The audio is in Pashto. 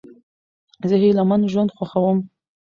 زه هیلهمن ژوند خوښوم.